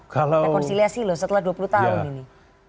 rekonsiliasi loh setelah dua puluh tahun ini